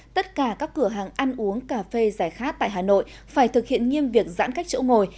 tất cả các cửa hàng ăn uống cà phê giải khát tại hà nội phải thực hiện nghiêm việc giãn cách chỗ ngồi